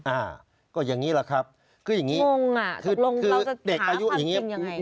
อ่าก็อย่างนี้แหละครับคืออย่างนี้งงอ่ะคืองงคือเด็กอายุอย่างนี้